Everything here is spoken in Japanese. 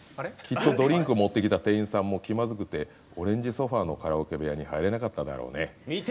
きっとドリンク持ってきた店員さんも気まずくてオレンジソファーのカラオケ部屋に入れなかっただろうね。